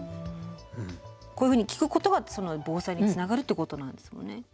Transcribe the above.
こういうふうに聞くことが防災につながるってことなんですもんね。